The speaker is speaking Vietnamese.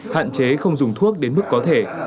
hạn chế không dùng thuốc đến mức có thể